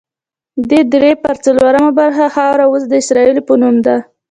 دې درې پر څلورمه برخه خاوره اوس د اسرائیل په نوم ده.